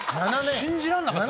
信じらんなかった。